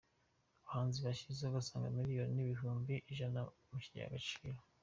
Abahanzi bashyize asaga miliyoni n’ibihumbi ijana mukigega agaciro